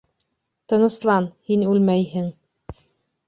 Тыныслан, һин үлмәйһең.